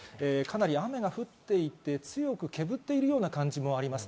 雨が降っていて強くけぶっているような感じもあります。